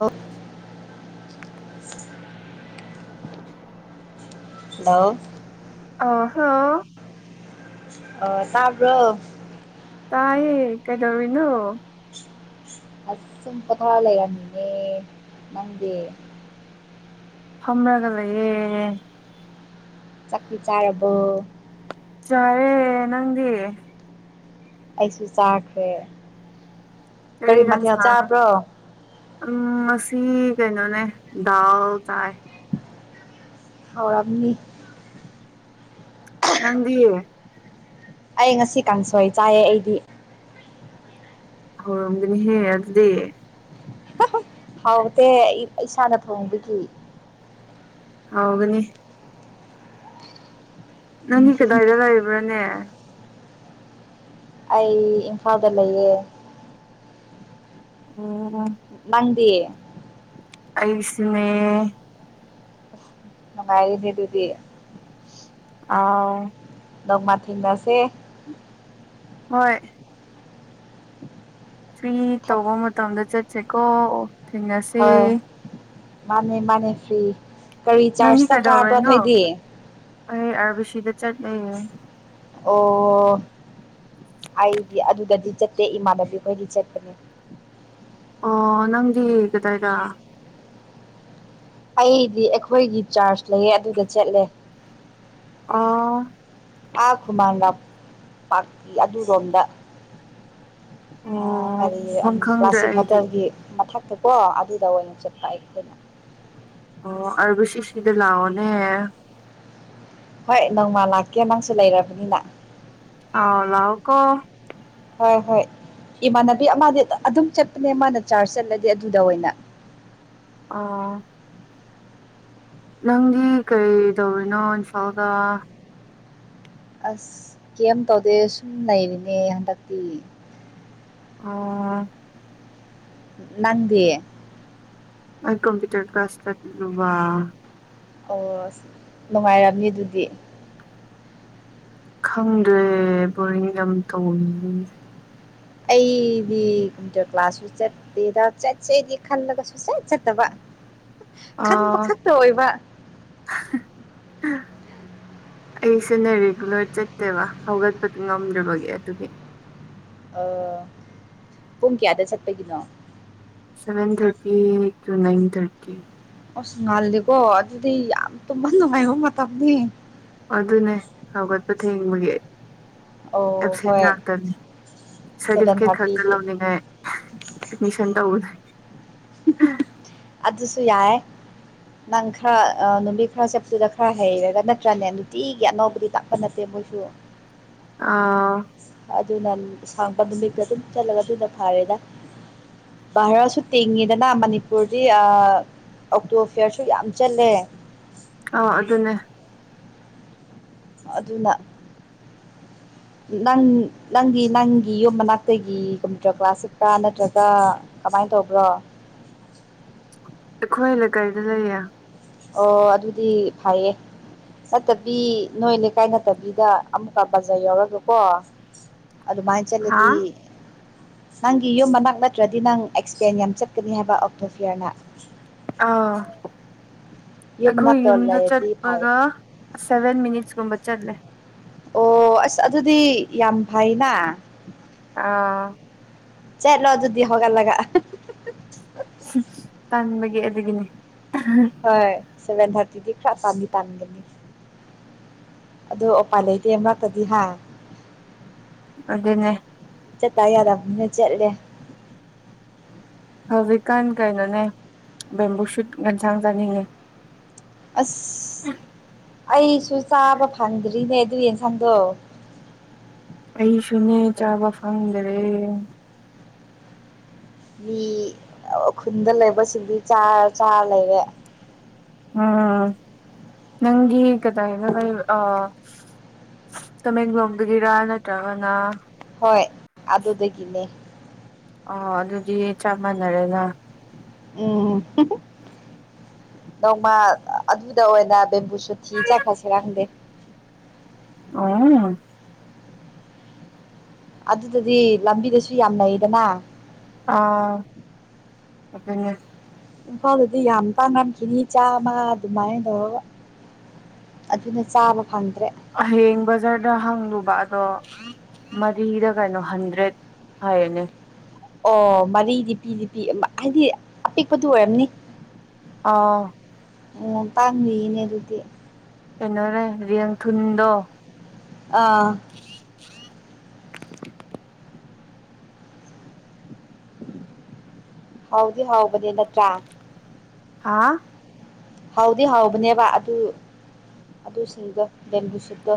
ꯑꯣ ꯍꯜꯂꯣ ꯑꯥ ꯍꯜꯂꯣ ꯑꯥ ꯇꯥꯕ꯭ꯔꯣ ꯇꯥꯏꯌꯦ ꯀꯩꯗꯧꯔꯤꯅꯣ ꯑꯁꯨꯝ ꯄꯣꯊꯥ ꯂꯩꯔꯝꯃꯤꯅꯦ ꯅꯪꯗꯤ ꯐꯝꯔꯒ ꯂꯩꯌꯦ ꯆꯥꯛꯊꯔ ꯆꯥꯔꯕꯣ ꯆꯥꯔꯦ ꯅꯪꯗꯤ ꯑꯩꯁꯨ ꯆꯥꯈ꯭ꯔꯦ ꯀꯔꯤ ꯃꯊꯦꯜ ꯆꯥꯕ꯭ꯔꯣ [unintelligible] ꯁꯤ ꯀꯩꯅꯣꯅꯦ ꯗꯥꯜ ꯆꯥꯏ ꯍꯥꯎꯔꯝꯅꯤ ꯅꯪꯗꯤ ꯑꯩ ꯉꯁꯤ ꯀꯥꯡꯁꯣꯏ ꯆꯥꯏꯌꯦ ꯑꯩꯗꯤ ꯍꯧꯔꯝꯒꯅꯤꯍꯦ ꯑꯗꯨꯗꯤ ꯍꯥꯎꯗꯦ ꯏꯁꯥꯅ ꯊꯣꯡꯕꯒꯤ ꯍꯥꯎꯒꯅꯤ ꯅꯪ ꯀꯗꯧꯔ ꯂꯩꯔꯤꯕ ꯕꯔꯅꯦ ꯑꯩ ꯏꯝꯐꯥꯜꯗ ꯂꯩꯌꯦ ꯑꯣ ꯅꯪꯗꯤ ꯑꯩꯁꯨꯅꯦ ꯅꯨꯉꯥꯏꯅꯦ ꯑꯗꯨꯗꯤ꯫ ꯑꯥꯎ꯫ ꯅꯣꯡꯃ ꯊꯦꯡꯅꯁꯦ ꯫ ꯍꯣꯏ꯫ ꯁꯏ ꯊꯛ ꯇꯧꯕ ꯃꯇꯝꯗ ꯆꯠ꯫ ꯆꯦꯀꯣ꯫ ꯊꯦꯡꯅꯁꯤ꯫ ꯃꯥꯅꯤ ꯃꯥꯅꯦ ꯐ꯭ꯔꯤ꯫ ꯀꯔꯤ ꯅꯪꯗꯤ ꯆꯥꯔꯖ ꯆꯠꯈꯕ꯭ꯔꯥ ꯀꯩꯗꯧꯔꯤꯅꯣ ꯅꯣꯏꯗꯤ꯫ ꯑꯩ ꯑꯥꯔꯕꯤꯁꯤꯗ ꯆꯠꯂꯦ꯫ ꯑꯣ ꯑꯩꯗꯤ ꯑꯗꯨꯗꯗꯤ ꯆꯠꯇꯦ ꯏꯃꯥꯟꯅꯕꯤ ꯈꯣꯏꯗꯤ ꯆꯠꯄꯅꯦ꯫ ꯑꯣ ꯅꯪꯗꯤ ꯀꯗꯥꯏꯗ꯫ ꯑꯩꯗꯤ ꯑꯩꯈꯣꯏꯒꯤ ꯆꯥꯔꯖ ꯂꯩꯌꯦ ꯑꯗꯨꯗ ꯆꯠꯂꯦ꯫ ꯑ꯫ ꯑꯥ ꯈꯨꯃꯥꯡ ꯂꯝ ꯄꯥꯛ ꯑꯗꯨꯔꯣꯝꯗ꯫ ꯑ ꯑꯣ ꯀꯔꯤ ꯃꯐꯝ ꯈꯪꯗ꯭ꯔꯦ ꯀ꯭ꯂꯥꯁꯤꯛ ꯑꯩꯗꯤ ꯍꯣꯇꯦꯜꯒꯤ ꯃꯊꯛ꯫ ꯑꯀꯣ ꯑꯗꯨꯗ ꯑꯣꯏꯅ ꯆꯠꯄ ꯑꯩꯈꯣꯏꯅ꯫ ꯑꯣ ꯑꯔꯕꯨ ꯁꯤꯁꯤꯗꯤ ꯂꯥꯎꯑꯣꯅꯦ꯫ ꯍꯣꯏ ꯅꯣꯡꯃ ꯂꯥꯛꯀꯦ ꯅꯪꯁꯨ ꯂꯩꯔꯕꯅꯤꯅ꯫ ꯑ ꯂꯥꯎꯀꯣ꯫ ꯍꯣꯏ ꯍꯣꯏ ꯏꯃꯥꯟꯅꯕꯤ ꯑꯃꯗꯤ ꯑꯗꯨꯝ ꯆꯠꯄꯅꯦ ꯃꯥꯅ ꯆꯥꯔꯖ ꯆꯠꯂꯗꯤ ꯑꯗꯨꯗ ꯑꯣꯏꯅ꯫ ꯑ꯫ ꯅꯪꯗꯤ ꯀꯩ ꯇꯧꯔꯤꯅꯣ ꯏꯝꯐꯥꯜꯗ꯫ ꯑꯁ ꯀꯩꯝ ꯇꯧꯗꯦ ꯁꯨꯝ ꯂꯩꯔꯤꯅꯦ ꯍꯟꯗꯛꯇꯤ꯫ ꯑꯣ꯫ ꯅꯟꯗꯤ꯫ ꯑ ꯀꯝꯄꯨꯇꯔ ꯀ꯭ꯂꯥꯁ ꯆꯠꯇꯨꯕ꯫ ꯑꯣꯁ ꯅꯨꯡꯉꯥꯏꯔꯝꯅꯤ ꯑꯗꯨꯗꯤ꯫ ꯈꯪꯗ꯭ꯔꯦ ꯕꯣꯔꯤꯡ ꯌꯥꯝ ꯇꯣꯡꯉꯤ꯫ ꯑꯩꯗꯤ ꯀꯝꯄ꯭ꯌꯨꯇꯔ ꯀ꯭ꯂꯥꯁꯁꯨ ꯆꯠꯇꯦꯗ ꯆꯠꯆꯩꯗꯤ ꯈꯜꯂꯒ ꯁꯨ ꯆꯠ ꯆꯠꯇꯕ꯫ ꯑ ꯈꯟꯕ ꯈꯛꯇ ꯑꯣꯏꯕ꯫ ꯑꯩꯁꯨꯅ ꯔꯤꯒꯨꯂꯔ ꯆꯠꯇꯦꯕ ꯍꯧꯒꯠꯄꯗꯤ ꯉꯝꯗ꯭ꯔꯕꯒꯤ ꯑꯗꯨꯒꯤ꯫ ꯑ ꯄꯨꯡ ꯀꯌꯥꯗ ꯆꯠꯄꯒꯤꯅꯣ꯫ Seven thirty to nine thirty. ꯑꯁ ꯉꯥꯜꯜꯂꯤꯦꯀꯣ ꯑꯗꯨꯗꯤ ꯌꯥꯝ ꯇꯨꯝꯕ ꯅꯨꯡꯉꯥꯏꯕꯣ ꯃꯇꯝꯅꯤꯅꯦ꯫ ꯑꯗꯨꯅꯦ ꯍꯧꯒꯠꯄ ꯊꯦꯡꯕꯒꯤ ꯑꯣ ꯑꯦꯞꯁꯦꯟ ꯍꯣꯏ ꯉꯥꯛꯇꯅꯤ ꯁꯚꯦꯟ ꯁꯥꯔꯇꯤꯐꯤꯀꯦꯠ ꯈꯛꯇ ꯊꯥꯔꯇꯤꯗꯤ ꯂꯧꯅꯤꯡꯉꯥꯏ ꯑꯦꯠꯃꯤꯁꯟ ꯇꯧꯕꯅꯦ꯫ ꯑꯗꯨꯗ꯫ ꯁꯨ ꯌꯥꯏ ꯅꯪ ꯈꯔ ꯅꯨꯃꯤꯠ ꯈꯔ ꯆꯦꯞꯄꯨꯗ ꯈꯔ ꯍꯩꯔꯒ ꯅꯠꯇ꯭ꯔꯅꯦ ꯅꯨꯡꯇꯤꯒꯤ ꯑꯅꯧꯕꯗꯤ ꯇꯥꯛꯄ ꯅꯠꯇꯦ ꯃꯣꯏꯁꯨ꯫ ꯑꯥ‌꯫ ꯑꯗꯨꯅ ꯁꯥꯡꯕ ꯅꯨꯃꯤꯠꯇ ꯑꯗꯨꯝ ꯆꯠꯂꯒ ꯑꯗꯨꯅ ꯐꯔꯦꯗ ꯚꯥꯔꯥꯁꯨ ꯇꯤꯡꯉꯤꯗꯅ ꯃꯅꯤꯄꯨꯔꯗꯤ ꯑꯣꯛꯇꯣ ꯐꯤꯌꯥꯔꯁꯨ ꯌꯥꯝ ꯆꯠꯂꯦ꯫ ꯑꯥ ꯑꯗꯨꯅꯦ ꯑꯗꯨꯅ꯫ ꯅꯪ ꯅꯪꯒꯤ ꯅꯪꯒꯤ ꯌꯨꯝ ꯃꯅꯥꯛꯇꯒꯤꯒꯨꯝꯗ꯭ꯔꯣ ꯀ꯭ꯂꯥꯁꯁꯤꯛꯇ ꯅꯠꯇ꯭ꯔꯒ ꯀꯃꯥꯏꯅ ꯇꯧꯕ꯭ꯔꯣ꯫ ꯑꯩꯈꯣꯏꯅ ꯀꯩꯗ ꯂꯩꯌꯦ꯫ ꯑꯣ ꯑꯗꯨꯗꯤ ꯐꯩꯌꯦ ꯅꯠꯇꯕꯤ ꯅꯣꯏ ꯂꯩꯀꯥꯏ ꯅꯠꯇꯕꯤꯗ ꯑꯃꯨꯛꯀ ꯕꯖꯥꯔ ꯌꯧꯔꯒꯀꯣ ꯑꯗꯨꯃꯥꯏꯅ ꯍꯥ ꯆꯠꯂꯗꯤ ꯅꯪꯒꯤ ꯌꯨꯝ ꯃꯅꯥꯛ ꯅꯠꯇ꯭ꯔꯗꯤ ꯅꯪ ꯑꯦꯛꯁꯄꯦꯟ ꯌꯥꯝ ꯆꯠꯀꯅꯤ ꯍꯥꯏꯕ ꯑꯣꯛꯇꯣ ꯐꯤꯌꯔꯅ ꯑꯥ ꯌꯨꯝ ꯑꯩꯈꯣꯏ ꯃꯅꯥꯛꯇ ꯌꯨꯝꯗ ꯂꯩꯔꯗꯤ ꯐꯩ ꯆꯠꯄꯒ ꯁꯚꯦꯟ ꯃꯤꯅꯤꯠꯁ [unintelligible] ꯆꯠꯂꯦ ꯑꯣ ꯑꯁ ꯑꯗꯨꯗꯤ ꯌꯥꯝ ꯐꯩꯅ ꯑꯥ ꯆꯠꯂꯣ ꯑꯗꯨꯗꯤ ꯍꯧꯒꯠꯂꯒ ꯇꯟꯕꯒꯤ ꯑꯗꯨꯒꯤꯅꯤ ꯍꯣꯢ ꯁꯚꯦꯟ ꯊꯥꯔꯇꯤꯗꯤ ꯈꯔ ꯇꯥꯟꯗꯤ ꯇꯥꯟꯒꯅꯤ ꯑꯗꯨ ꯎꯄꯥꯏ ꯂꯩꯇꯦ ꯅꯠꯇꯗꯤ ꯍꯥ ꯑꯗꯨꯅꯦ ꯆꯦꯠꯇ ꯌꯥꯗꯕꯅ ꯆꯠꯂꯦ꯫ ꯍꯧꯖꯤꯛꯀꯥꯟ ꯀꯩꯅꯣꯅꯦ ꯕꯦꯝꯕꯨ ꯁꯨꯠ ꯌꯦꯟꯁꯥꯡ ꯆꯥꯅꯤꯡꯉꯦ ꯑꯁ ꯑꯩꯁꯨ ꯆꯥꯕ ꯐꯪꯗ꯭ꯔꯤꯅꯦ ꯑꯗꯨꯏ ꯌꯦꯟꯁꯥꯡꯗꯣ ꯑꯩꯁꯨꯅꯦ ꯆꯥꯕ ꯐꯪꯗ꯭ꯔꯦ ꯃꯤ ꯈꯨꯟꯗ ꯂꯩꯕꯁꯤꯡꯗꯤ ꯆꯥꯔ ꯆꯥꯔ ꯂꯩꯔꯦ ꯎꯝ ꯅꯪꯗꯤ ꯀꯗꯥꯏꯗ ꯂꯩ ꯑꯥ ꯇꯃꯦꯡꯂꯣꯡꯗꯒꯤꯔ ꯅꯠꯇ꯭ꯔꯒꯅ ꯍꯣꯏ ꯑꯗꯨꯗꯒꯤꯅꯦ ꯑ ꯑꯗꯨꯗꯤ ꯆꯞ ꯃꯥꯟꯅꯔꯦꯅ ꯎꯝ ꯅꯣꯡꯃ ꯑꯗꯨꯗ ꯑꯣꯏꯅ ꯕꯦꯝꯕꯨꯁꯨꯠ ꯊꯤ ꯆꯠꯈ꯭ꯔꯁꯤꯔ ꯈꯪꯗꯦ ꯑꯣ ꯑꯗꯨꯗꯗꯤ ꯂꯝꯕꯤꯗꯁꯨ ꯌꯥꯝꯂꯩꯗꯅ ꯑꯥ [inaudible] ꯏꯝꯐꯥꯜꯗꯗꯤ ꯌꯥꯝ ꯇꯥꯡꯉꯝꯈꯤꯅꯤ ꯆꯥꯃ ꯑꯗꯨꯃꯥꯏꯅ ꯇꯧꯔꯒ ꯑꯗꯨꯅ ꯆꯥꯕ ꯐꯪꯗ꯭ꯔꯦ꯫ ꯍꯌꯦꯡ ꯕꯖꯥꯔꯗ ꯍꯪꯂꯨꯕ ꯑꯗꯣ ꯃꯔꯤꯗ ꯀꯩꯅꯣ ꯍꯟꯗ꯭ꯔꯦꯠ ꯍꯥꯏꯌꯦꯅꯦ ꯑꯣ ꯃꯔꯤꯗꯤ ꯄꯤꯗꯤ ꯄꯤ ꯍꯥꯏꯗꯤ ꯑꯄꯤꯛꯄꯗꯨ ꯑꯣꯏꯔꯝꯅꯤ ꯑꯥ ꯑꯣ ꯇꯥꯡꯅꯤꯅꯦ ꯑꯗꯨꯗꯤ [unintelligible] ꯑꯥ [unintelligible] [unintelligible] ꯍꯥꯎꯗꯤ ꯍꯥꯎ ꯗꯤ ꯅꯠꯇ꯭ꯔꯥ ꯍꯥ ꯍꯥꯎꯗꯤ ꯍꯥꯎꯕꯅꯦꯕ ꯑꯗꯨ ꯑꯗꯨꯁꯤꯡꯗꯣ ꯕꯦꯝꯕꯨꯁꯨꯠꯇꯣ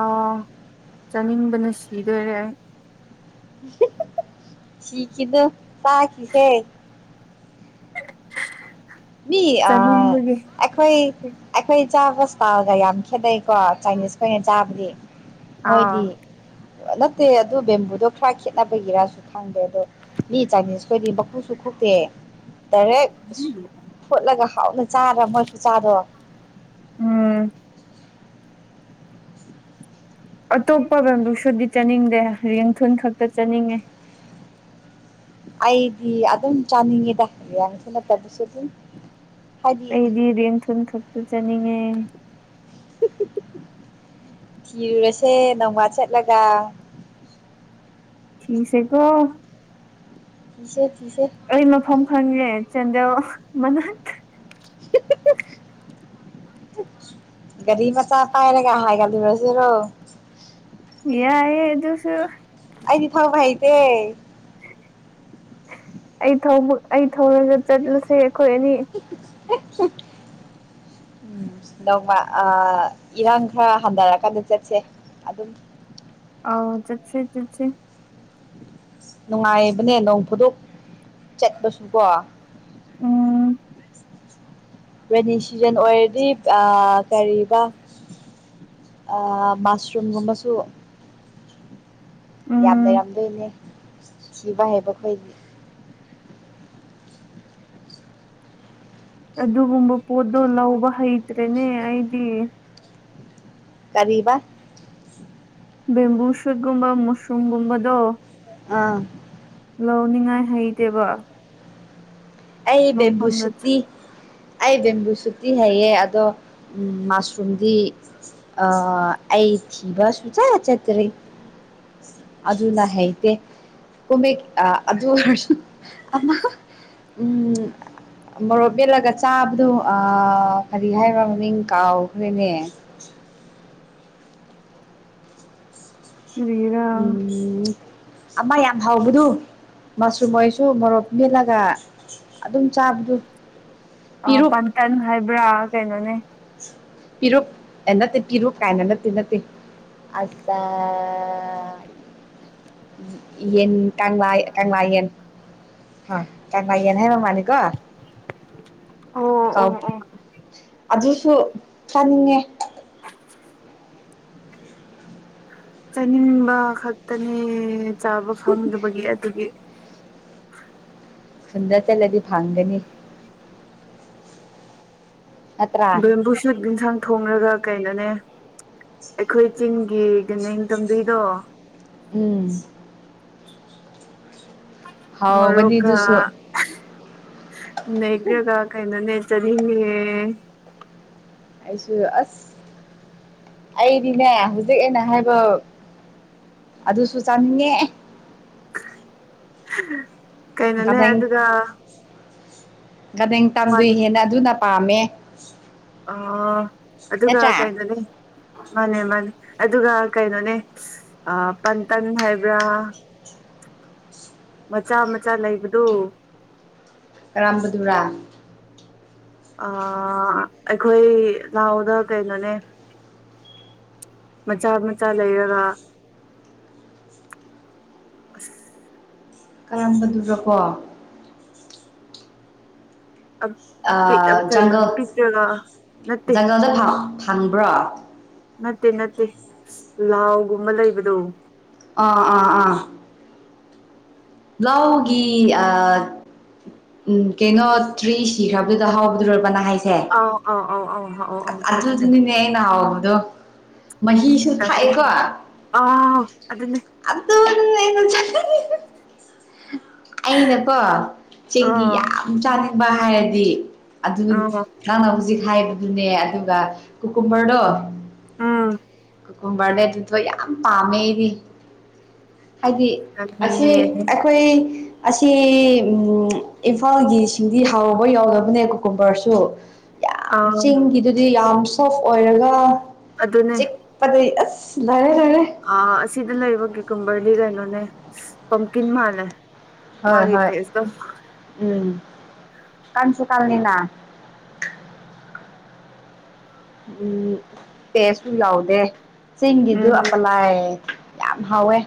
ꯑꯧ ꯆꯥꯅꯤꯡꯕꯅ ꯁꯤꯗꯣꯔꯦ ꯑꯩ ꯁꯤꯈꯤꯅꯨ ꯆꯥꯈꯤꯁꯦ ꯃꯤ ꯑ ꯆꯥꯅꯤꯡꯕꯒꯤ ꯑꯩꯈꯣꯏ ꯑꯩꯈꯣꯏ ꯆꯥꯕ [unintelligible] ꯌꯥꯝ ꯈꯦꯠꯅꯩꯀꯣ ꯆꯥꯏꯅꯤꯁ ꯈꯣꯏꯅ ꯆꯥꯕꯗꯤ ꯑꯥ ꯃꯣꯏꯗꯤ ꯅꯠꯇꯦ ꯑꯗꯨ ꯕꯦꯝꯕꯨꯗꯣ ꯈꯔ ꯈꯦꯠꯅꯕꯒꯤꯔꯁꯨ ꯈꯪꯗꯦ ꯑꯗꯣ ꯃꯤ ꯆꯥꯏꯅꯤꯁ ꯈꯣꯏꯗꯤ ꯃꯀꯨꯁꯨ ꯈꯇꯦ ꯇꯔꯦ ꯐꯨꯠꯂꯒ ꯍꯥꯎꯅ ꯆꯥꯔ ꯃꯣꯏ ꯄꯨꯆꯥꯥꯗꯣ ꯎꯝ ꯑꯇꯣꯞꯄ ꯂꯝꯗꯨꯁꯨꯗꯤ ꯆꯠꯅꯤꯡꯗꯦ ꯌꯦꯡꯊꯨꯜ ꯈꯛꯇ ꯆꯠꯅꯤꯡꯉꯦ ꯑꯩꯗꯤ ꯑꯗꯨꯝ ꯆꯥꯅꯤꯡꯉꯤꯗꯁꯨ ꯅꯠꯇꯕꯁꯨ ꯑꯗꯨꯝ ꯍꯥꯏꯗꯤ ꯑꯩꯗꯤ ꯔꯦꯡꯊꯜ ꯈꯛꯇ ꯆꯠꯅꯤꯡꯉꯦ ꯊꯤꯔꯨꯔꯁꯦ ꯅꯧꯋꯥ ꯆꯠꯂꯒ ꯊꯁꯦꯀꯣ ꯦ ꯑꯩ ꯃꯐꯝ ꯈꯪꯉꯦ ꯆꯗꯣ ꯃꯅꯥ ꯀꯔꯤ ꯃꯆꯥ ꯄꯥꯏꯔꯦꯒ ꯍꯥꯏꯒꯗꯕꯁꯦꯔꯣ ꯌꯥꯑ ꯑꯗꯨꯁꯨ ꯑꯩꯗꯤ ꯐ ꯍꯥꯏ ꯑꯦ ꯑꯩ ꯊ ꯑꯩ ꯊꯧꯔꯒ ꯆꯠꯂꯁꯦ ꯀꯣꯏꯅꯤ ꯎꯝ ꯅꯧꯕ ꯏꯔꯥꯡ ꯈꯔ ꯍꯟꯊꯔꯀꯥꯟꯗ ꯆꯠꯁꯦ ꯑꯗꯨꯝ ꯑ ꯆꯠꯁꯤ ꯆꯠꯁꯤ ꯅꯨꯡꯉꯥꯏꯕꯅꯦ ꯅꯣꯡꯐꯨꯗꯣꯛ ꯆꯠꯄꯁꯨꯀꯣ ꯎꯝ ꯔꯦꯅꯤ ꯁꯤꯖꯟ ꯑꯣꯏꯔꯗꯤ ꯀꯔꯤꯕ ꯃꯁꯔꯨꯝꯒꯨꯝꯕꯁꯨ ꯎꯝ ꯌꯥꯝꯅ ꯌꯥꯝꯗꯣꯏꯅꯦ ꯁꯤꯕ ꯍꯦꯕ ꯀꯣꯏ ꯑꯗꯨꯒꯨꯝꯕ ꯄꯣꯠꯇꯣ ꯂꯧꯕ ꯍꯩꯇ꯭ꯔꯦꯅꯦ ꯑꯩꯗꯤ ꯀꯔꯤꯕ ꯕꯦꯝꯕꯨ ꯁꯨꯠꯀꯨꯝꯕ ꯃꯁꯔꯨꯝꯒꯨꯝꯕꯗꯣ ꯑꯥ ꯂꯧꯅꯤꯡꯉꯥꯏ ꯍꯩꯇꯦꯕ ꯑꯩ ꯕꯦꯝꯕꯨ ꯃꯐꯝꯗ ꯁꯇꯤ ꯑꯩ ꯕꯦꯝꯕꯨ ꯁꯨꯛꯇꯤ ꯍꯩꯌꯦ ꯑꯗꯣ ꯎ ꯃꯁꯔꯨꯝꯗꯤ ꯑ ꯑꯩ ꯊꯤꯕ ꯁꯨꯡꯆ ꯆꯠꯇ꯭ꯔꯔꯤ ꯑꯗꯨꯅ ꯍꯩꯇꯦ ꯀꯣꯃꯦ ꯑꯗꯨ ꯑꯣꯏꯔꯁꯨ ꯎꯝ ꯃꯣꯔꯣꯛ ꯃꯠꯂꯒ ꯆꯥꯕꯗꯣ ꯀꯔꯤ ꯍꯥꯏꯕ꯭ꯔ ꯃꯃꯤꯡ ꯀꯥꯎꯈ꯭ꯔꯦꯅꯦ ꯆꯠꯇꯔꯤꯔꯥ ꯎꯝ ꯑꯃ ꯌꯥꯝ ꯍꯕꯗꯨ ꯃꯁꯔꯨꯝ ꯑꯣꯏꯔꯁꯨ ꯃꯣꯔꯣꯛ ꯃꯦꯦꯜꯂꯒ ꯑꯗꯨꯝ ꯆꯥꯕꯗꯨ ꯑ ꯄꯤꯔꯨꯛ ꯄꯟꯊꯪ ꯍꯥꯏꯕ꯭ꯔꯥ ꯩꯅꯣꯅꯦ ꯄꯤꯔꯨꯛ ꯅꯠꯇꯦ ꯄꯤꯔꯨꯛ ꯀꯥꯏꯅ ꯅꯠꯇꯦ ꯅꯠꯇꯦ ꯑ ꯌꯦꯟ ꯀꯪꯂꯥ ꯀꯪꯂꯥ ꯌꯦꯟ ꯀꯪꯂꯥ ꯌꯦꯅꯍ ꯃꯥ ꯃꯥꯅꯤ ꯀ ꯑꯣ ꯀꯥꯎ ꯑꯣ ꯑꯣ ꯑꯗꯨꯖꯤꯛꯁꯨ ꯆꯅꯤꯡꯉꯦ꯫ ꯆꯥꯅꯤꯡꯕ ꯈꯛꯇꯅꯦ ꯆꯥꯕ ꯐꯪꯗꯕꯒꯤ ꯑꯗꯨꯒꯤ꯫ ꯁꯟꯗ ꯆꯜꯂꯗꯤ ꯐꯪꯒꯅꯤ꯫ ꯅꯠꯇ꯭ꯔꯥ ꯕꯦꯝꯕꯨꯁꯨ ꯌꯦꯟꯁꯥꯡ ꯊꯣꯡꯡꯂꯒ ꯀꯩꯅꯣꯅꯦ꯫ ꯑꯩꯈꯣꯏ ꯆꯤꯡꯒꯤ ꯅ ꯇꯝꯕꯤꯗꯣ꯫ ꯎꯝ꯫ ꯍꯥꯎꯒꯅꯤ ꯃꯔꯣꯀ ꯑꯗꯨꯁꯨ ꯅꯩꯔꯥꯒ ꯀꯩꯅꯣ ꯅꯦ ꯫ ꯆꯗꯤꯅꯦ꯫ ꯑꯩꯁꯨ ꯑꯁ ꯑꯩꯗꯤꯅꯦ ꯍꯧꯖꯤꯛ ꯑꯩꯅ ꯍꯥꯏꯕ ꯑꯗꯨꯁꯨ ꯆꯥꯅꯤꯡꯉꯦ꯫ [unintelligible] ꯀꯩꯅꯣꯅꯦ ꯒꯗꯡ ꯑꯗꯨꯒ꯫ ꯄꯥꯟ ꯇꯝꯗꯣꯏꯍꯦꯅ ꯑꯗꯨꯅ꯫ ꯄꯥꯝꯃꯦ꯫ ꯑꯣ ꯑꯗꯨꯒ ꯅꯠꯇ꯭ꯔꯥ ꯀꯩꯩꯅꯣꯅꯤ ꯃꯥꯅꯦ ꯃꯥꯅꯦ꯫ ꯑꯗꯨꯒ ꯀꯩꯅꯣꯅꯦ ꯄꯟꯇꯟ ꯍꯥꯏꯕ꯭ꯔꯥ꯫ ꯃꯆꯥ ꯃꯆꯥ ꯂꯩꯕꯗꯨ꯫ ꯀꯔꯥꯝꯕꯗꯨꯨꯔꯥ꯫ ꯑ ꯑꯩꯈꯣꯏ ꯂꯍꯥꯎꯗ ꯀꯩꯅꯣꯅꯦ꯫ ꯃꯆꯥ ꯃꯆꯥ ꯂꯩꯔꯒ ꯑꯁ꯫ ꯀꯔꯝꯕꯗꯨꯒꯀꯣ꯫ ꯑꯥ ꯀꯩꯅꯣ ꯖꯪꯒꯜ ꯄꯤꯛꯇ꯭ꯔꯒ ꯅꯠꯇꯦ꯫ ꯈꯪꯕ꯭ꯔꯥ꯫ ꯅꯠꯇꯦ ꯅꯠꯇꯦ ꯂꯥꯎꯒꯨꯝꯕ ꯂꯩꯕꯗꯣ꯫ ꯑꯥ ꯑꯥ ꯑꯥ꯫ ꯂꯥꯎꯒꯤ ꯑ꯫ ꯎꯝ ꯀꯩꯅꯣ ꯇ꯭ꯔꯤ ꯁꯤꯈ꯭ꯔꯕꯗꯨꯗ ꯍꯥꯎꯕꯗꯨ ꯔꯕ ꯅꯪꯅ ꯍꯥꯏꯁ꯫ ꯑꯩ ꯑꯩ ꯑꯩ ꯑꯧ꯫ ꯑꯗꯨ ꯑꯗꯨꯅꯤꯅꯦ ꯑꯩꯅ꯫ ꯗꯣ꯫ ꯃꯍꯤꯁꯨ ꯆꯥꯅꯤꯡ ꯊꯥꯛꯑꯦꯀꯣ꯫ ꯑꯥꯎ ꯑꯗꯨꯅꯦ ꯑꯗꯅꯦ ꯑꯩꯅꯥ ꯆꯥꯅꯤꯡ꯫ [unintelligible] ꯑꯩꯅꯀꯣ ꯆꯦꯡꯒꯤ ꯑꯥ ꯌꯥꯝ ꯆꯥꯅꯤꯡ꯫ ꯕ ꯍꯥꯏꯌꯗꯤ꯫ ꯑꯗꯨ ꯑꯥ ꯅꯪꯅ ꯍꯧꯖꯤꯛ꯫ ꯍꯥꯏꯕꯗꯨꯅꯦ ꯑꯗꯨꯒ ꯀꯨꯀꯨꯝꯕꯔꯗꯣ꯫ ꯎꯝ꯫ ꯀꯨꯝꯕꯔꯅꯦ ꯑꯗꯨꯗꯣ ꯌꯥꯝ ꯄꯥꯝꯃꯦ ꯑꯩꯗꯤ ꯍꯥꯏꯗꯤ ꯑꯁꯤ ꯑꯗꯨꯅꯦ ꯑꯩꯈꯣꯏ ꯑꯁꯤ ꯏꯝꯐꯥꯜꯒꯤ ꯁꯤꯡꯗꯤ ꯍꯥꯎꯔꯕ ꯌꯥꯎꯗꯕꯅꯦ ꯀꯣꯀꯨꯝꯕꯔꯁꯨ ꯌꯥꯝ ꯑꯥ ꯆꯤꯡꯒꯤꯗꯨꯗꯤ ꯌꯥꯝ ꯁꯣꯐ ꯑꯣꯏꯔꯒ ꯆꯤꯛꯄꯗ ꯔꯦ ꯑ ꯁꯤꯗꯂꯕ ꯀꯨꯝꯝꯕꯔꯂꯤꯒ ꯏꯣꯅꯦ ꯄꯝꯀꯤꯤꯟ ꯃꯥꯂ ꯍꯣꯏ ꯍꯣꯏ ꯎꯝ ꯀ ꯀꯜꯅꯤꯅ ꯎꯝ ꯄꯦꯁ ꯂꯥꯎꯗꯦ ꯁꯤꯤꯡꯗꯨ ꯎꯝ ꯑꯞꯂꯥꯏ ꯌꯥꯝ ꯍꯋꯦ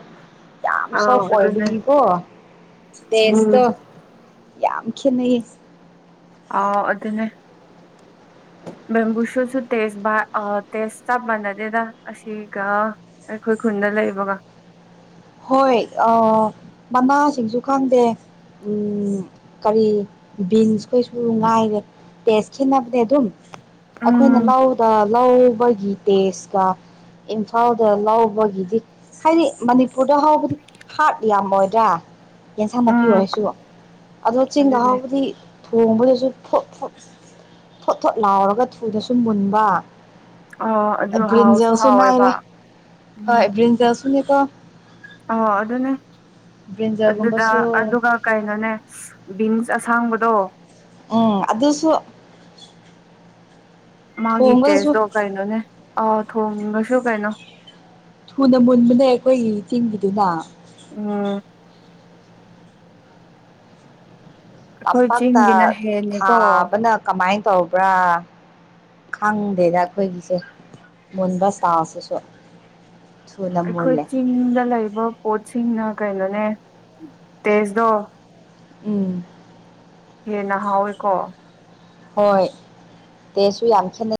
ꯌꯥꯝ ꯑꯥꯎ ꯁꯣꯐ ꯑꯗꯨꯅꯦ ꯑꯣꯏꯕꯀꯣ ꯎꯝ ꯇꯦꯁꯇ ꯌꯥꯝ ꯈꯦꯠꯅꯩꯌꯦ ꯑ ꯑꯗꯨꯅꯦ ꯕꯦꯝꯕꯨꯁꯨꯁꯨ ꯇꯦꯁ ꯇꯦꯖ ꯆ ꯃꯥꯟꯅꯗꯦꯗ ꯑꯁꯤꯒ ꯑꯩꯈꯣꯏ ꯈꯨꯟꯗ ꯂꯩꯕꯒ ꯍꯣꯏ ꯃꯅꯥꯁꯤꯡꯁꯨ ꯈꯪꯗꯦ ꯀꯔꯤ ꯕꯤꯟꯁꯈꯩꯁꯨ ꯉꯥꯏꯔꯦ ꯇꯦꯁ ꯈꯦꯠꯅꯕꯅꯦ ꯑꯗꯨꯝ ꯑꯩꯈꯣꯏꯅ ꯎꯝ ꯂꯧꯗ ꯂꯧꯕꯒꯤ ꯇꯦꯁꯀ ꯏꯝꯐꯥꯜꯗ ꯂꯕꯒꯤꯗꯤ ꯍꯥꯏꯗꯤ ꯃꯅꯤ ꯄꯨꯨꯗ ꯍꯧꯕꯗꯤ ꯍꯥꯔꯠ ꯌꯥꯝꯃꯣꯏꯗ ꯌꯦꯟꯁꯥꯡ ꯅꯥꯄꯤ ꯎꯝ ꯑꯣꯏꯔꯁꯨꯕ ꯑꯗꯣ ꯆꯤꯡꯗ ꯑꯗꯨꯅꯦ ꯍꯥꯎꯕꯗꯤ ꯊꯣꯡꯕꯗꯁꯨ ꯊꯣꯠ ꯊꯣꯠ ꯊꯣꯠ ꯊꯣꯠ ꯂꯥꯎꯔꯒ ꯊꯨꯗꯁꯨ ꯃꯨꯟꯕ ꯑ ꯑꯗꯨ ꯍꯥꯎꯁꯨ ꯕ꯭ꯔꯤꯟꯖꯜꯁꯨ ꯍꯥꯎꯋꯦꯕ ꯎꯝ ꯌꯦꯀ ꯑ ꯑꯗꯨꯗꯅꯦ ꯑꯗꯨꯗ ꯕ꯭ꯔꯤꯟꯖꯜꯒꯨꯝꯕꯁꯨ ꯑꯗꯨꯒ ꯀꯩꯅꯣꯅꯦ ꯕꯤꯟꯁ ꯑꯁꯥꯡꯕꯗꯣ ꯎꯝ ꯑꯗꯨꯁꯨ ꯃꯥꯒꯤ ꯊꯣꯡꯕꯗꯁꯨ ꯒꯤꯇꯦꯖꯗꯣ ꯀꯩꯅꯣꯅꯦ ꯑ ꯊꯣꯡꯅꯁꯨꯨ ꯀꯥꯏꯅ ꯊꯨꯅ ꯃꯨꯟꯕꯅꯦ ꯑꯩꯈꯣꯏꯒꯤ ꯆꯤꯡꯒꯤꯗꯨꯅ ꯎꯝ ꯑꯩꯈꯣꯏ ꯇꯝꯄꯥꯛꯇ ꯆꯤꯡꯒꯤꯅ ꯍꯦꯟꯅꯤꯀꯣ ꯊꯥꯕꯅ ꯀꯃꯥꯏꯅ ꯇꯧꯕ꯭ꯔꯥ ꯈꯪꯗꯦꯗ ꯑꯩꯈꯣꯏꯒꯤꯁꯦ ꯃꯨꯟꯕ ꯆꯁꯤꯁꯨ ꯑꯩꯈꯣꯏ ꯆꯤꯡꯗ ꯂꯩꯕ ꯄꯣꯠꯁꯤꯡꯅ ꯀꯩꯅꯣꯅꯦ ꯇꯖꯗꯣ꯫ ꯎꯝ꯫ ꯍꯦꯟꯅ ꯍꯥꯎꯋꯦꯀꯣ꯫ ꯍꯣꯏ ꯇꯦꯁꯨ ꯌꯥꯝ ꯈꯦꯠꯅꯩ꯫